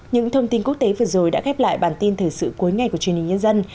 những thông tin quốc tế vừa rồi đã khép lại bản tin thời sự cuối ngày của truyền hình nhân dân